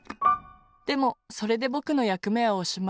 でもそれでぼくのやくめはおしまい。